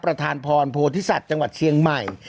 ประธานพรโพธิสัตว์จังหวัดเชียงใหม่